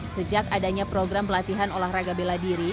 sejak adanya program pelatihan olahraga bela diri